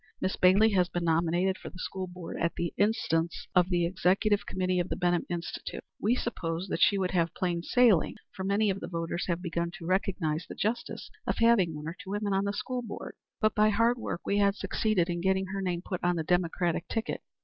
Miss Bailey has been nominated for the School Board at the instance of the Executive Committee of the Benham Institute. We supposed that she would have plain sailing, for many of the voters have begun to recognize the justice of having one or two women on the School Board, and by hard work we had succeeded in getting her name put on the Democratic ticket.